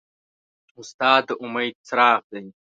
استاد د امید څراغ دی.